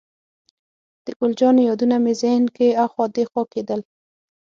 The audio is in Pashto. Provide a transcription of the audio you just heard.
د ګل جانې یادونه مې ذهن کې اخوا دېخوا کېدل.